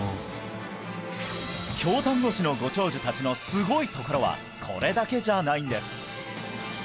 京丹後市のご長寿達のすごいところはこれだけじゃないんです！